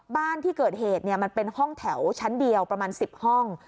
บ้านที่เกิดเหตุมันเป็นห้องแถวชั้นเดียวประมาณ๑๐ห้อง